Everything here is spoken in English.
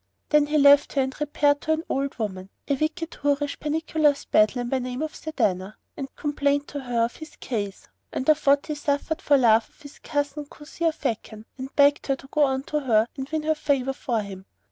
Then he left her and repaired to an old woman, a wicked, whorish, pernicious beldam by name Sa'adánah and complained to her of his case and of what he suffered for love of his cousin Kuzia Fakan and begged her to go to her and win her favour for him.